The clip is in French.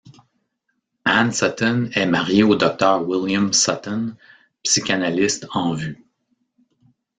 Ann Sutton est mariée au docteur William Sutton, psychanalyste en vue.